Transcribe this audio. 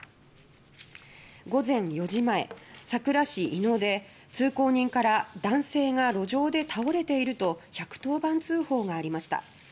午前４時前、佐倉市井野で通行人から「男性が路上で倒れている」と１１０番通報がありました。